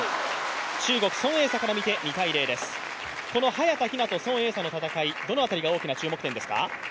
早田ひなと孫エイ莎の戦い、どの辺りが注目点ですか。